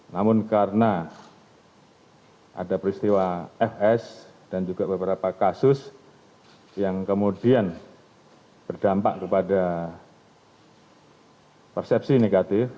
namun karena ada peristiwa fs dan juga beberapa kasus yang kemudian berdampak kepada persepsi negatif